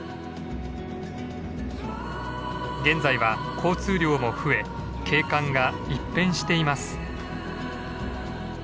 現在は交通量も増え景観が一変しています。